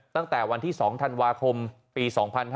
ตั้งแต่วันที่๒ธันวาคมปี๒๕๕๙